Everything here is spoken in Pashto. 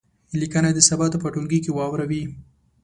لیکنه دې سبا ته په ټولګي کې واوروي.